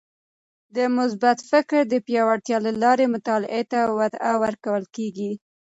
د مثبت فکر د پیاوړتیا له لارې مطالعې ته وده ورکول کیږي.